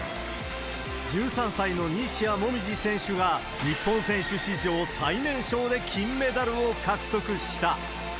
１３歳の西矢椛選手が、日本選手史上最年少で金メダルを獲得した。